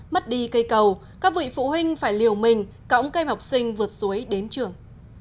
mất đi cây cầu các vị phụ huynh phải liều mình cõng kem học sinh vượt suối đến trường